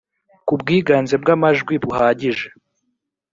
ku bwiganze bw amajwi buhagije